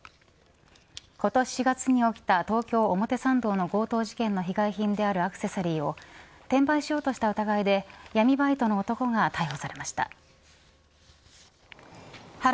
今年４月に起きた東京表参道の強盗事件の被害品であるアクセサリーを転売しようとした疑いで闇バイトの男が逮捕されました。